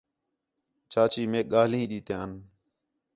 چاچی میک ڳاہلین ݙِیتیان